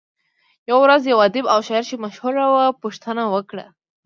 يوه ورځ يو ادیب او شاعر چې مشهور وو پوښتنه وکړه.